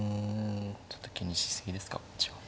ちょっと気にし過ぎですか。